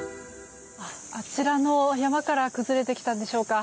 あちらの山から崩れてきたんでしょうか。